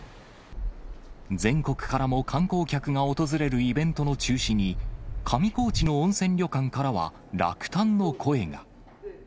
全国からも観光客が訪れるイベントの中止に、上高地の温泉旅館からは落胆の声が。